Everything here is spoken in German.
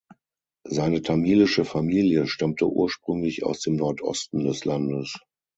Seine tamilische Familie stammte ursprünglich aus dem Nordosten des Landes.